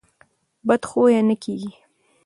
بد خویه نه کېږي.